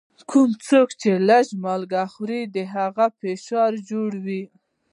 کوم څوک چي لږ مالګه خوري، د هغه فشار جوړ وي.